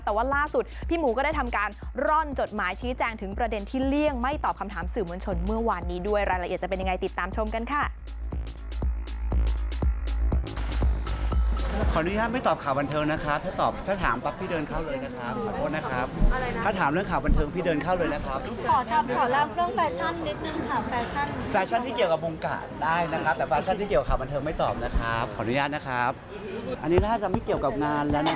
แต่ว่าล่าสุดพี่หมูก็ได้ทำการร่อนจดหมายชี้แจงถึงประเด็นที่เลี่ยงไม่ตอบคำถามสื่อมวลชนเมื่อวานนี้ด้วยรายละเอียดจะเป็นยังไงติดตามชมกันค่ะ